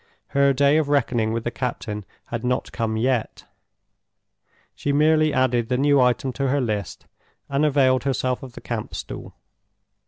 Her day of reckoning with the captain had not come yet—she merely added the new item to her list, and availed herself of the camp stool.